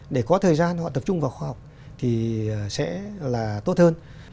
để có thời gian họ tập trung vào khoa học thì sẽ là tốt hơn